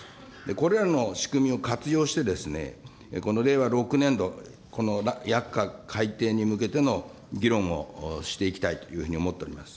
これらの仕組みを活用して、この令和６年度、薬価改定に向けての議論もしていきたいというふうに思っています。